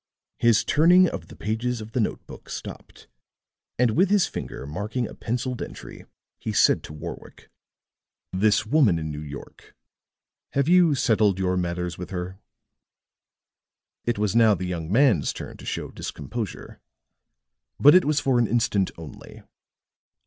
His turning of the pages of the note book stopped, and with his finger marking a penciled entry, he said to Warwick: "This woman in New York have you settled your matters with her?" It was now the young man's turn to show discomposure. But it was for an instant only.